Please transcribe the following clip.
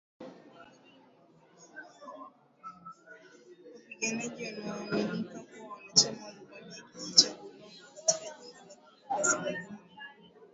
wapiganaji wanaoaminika kuwa wanachama walivamia kijiji cha Bulongo katika jimbo la Kivu kaskazini